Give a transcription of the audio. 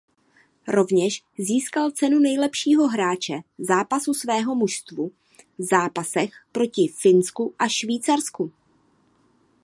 Rovněž získal cenu nejlepšího hráče zápasu svého mužstvu v zápasech proti Finsku a Švýcarsku.